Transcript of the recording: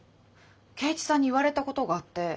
圭一さんに言われたことがあって。